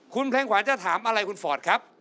คุณเพลงขวานจะถามอะไรคุณฟอร์ดครับ